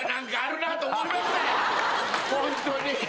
ホントに！